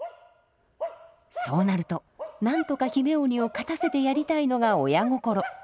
そうなるとなんとか姫鬼を勝たせてやりたいのが親心。